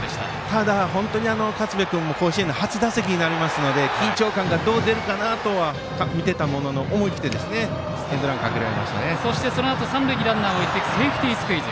ただ本当に勝部君も甲子園の初打席になりますので緊張感がどう出るかと見ていたんですが思い切ってそしてそのあと三塁にランナーを置いてセーフティースクイズ。